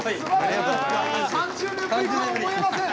３０年ぶりとは思えません！